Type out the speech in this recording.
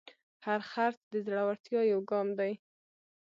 هر خرڅ د زړورتیا یو ګام دی.